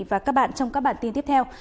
hẹn gặp lại các bạn trong các bản tin tiếp theo